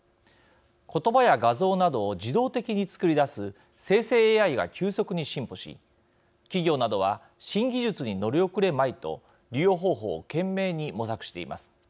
言葉や画像などを自動的に作り出す生成ＡＩが急速に進歩し企業などは新技術に乗り遅れまいと利用方法を懸命に模索しています。